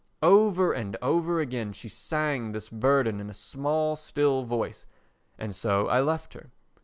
Over and over again she sang this burden in a small, still voice, and so I left her.